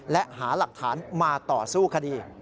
และหาหลักฐานมาต่อสู้คดี